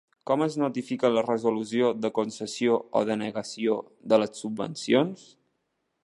Com es notifica la resolució de concessió o denegació de les subvencions?